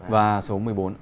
và số một mươi bốn